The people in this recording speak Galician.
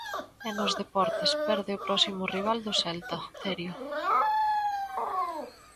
E nos deportes, perde o próximo rival do Celta, Terio.